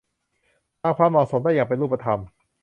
ตามความเหมาะสมได้อย่างเป็นรูปธรรม